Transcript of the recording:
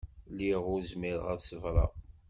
Lliɣ ur zmireɣ ad ṣebreɣ.